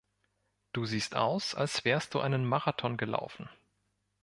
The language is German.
Du siehst aus, als wärst du einen Marathon gelaufen.